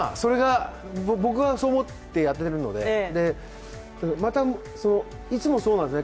僕がそう思ってやっているので、また、いつもそうなんですよ。